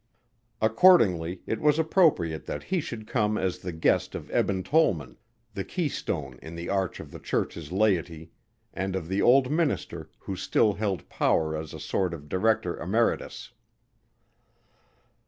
Accordingly it was appropriate that he should come as the guest of Eben Tollman, the keystone in the arch of the church's laity and of the old minister who still held power as a sort of director emeritus.